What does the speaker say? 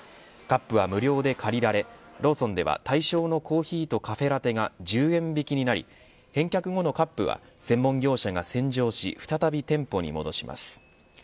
カップは無料で借りられローソンでは対象のコーヒーとカフェラテが１０円引きになり返却後のカップは専門業者が洗浄し再び店舗に戻します。